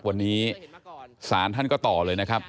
วันนี้ศาลท่านก็ต่อเลยนะครับ